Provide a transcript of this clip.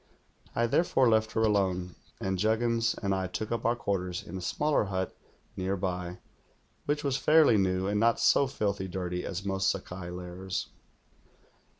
I therefore left her alone; and Juggins and I took up our quarters in a smaller hut nearby, which was fairly new and not so filthy dirty as most Sakai lairs.